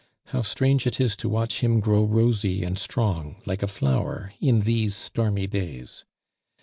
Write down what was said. How strange it is to watch him grow rosy and strong, like a flower, in these stormy days!